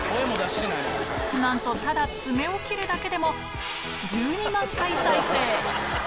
なんとただ爪を切るだけでも、１２万回再生。